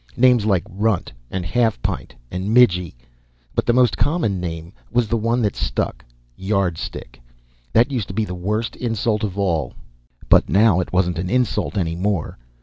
Names like "runt" and "half pint" and "midgie." But the most common name was the one that stuck Yardstick. That used to be the worst insult of all. But now it wasn't an insult any more.